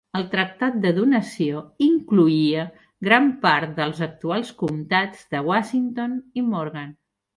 El Tractat de Donació incloïa gran part dels actuals comtats de Washington i Morgan.